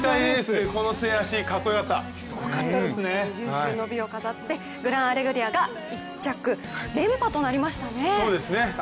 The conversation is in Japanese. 有終の美を飾ってグランアレグリアが１着連覇となりましたね。